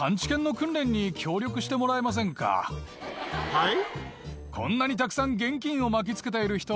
はい？